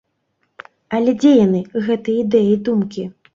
Але дзе яны, гэтыя ідэі і думкі?